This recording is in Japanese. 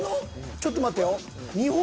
ちょっと待てよ。